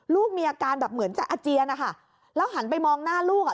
ลูกมีอาการแบบเหมือนจะอาเจียนนะคะแล้วหันไปมองหน้าลูกอ่ะ